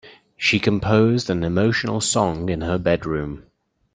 She composed an emotional song in her bedroom.